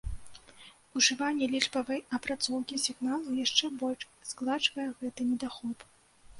Ужыванне лічбавай апрацоўкі сігналу яшчэ больш згладжвае гэты недахоп.